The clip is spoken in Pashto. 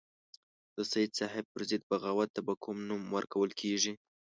د سید صاحب پر ضد بغاوت ته به کوم نوم ورکول کېږي.